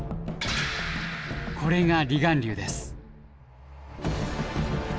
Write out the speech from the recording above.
これが離岸流です。